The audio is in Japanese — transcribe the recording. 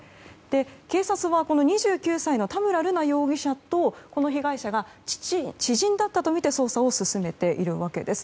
警察は２９歳の田村瑠奈容疑者とこの被害者が知人だったとみて捜査を進めているわけです。